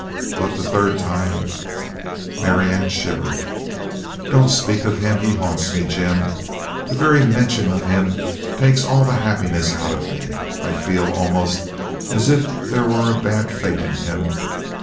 But the third time " Marianne shivered. "Don't speak of him! He haunts me, Jim. The very mention of him takes all the happiness out of me. I feel almost as if there were a bad fate in him.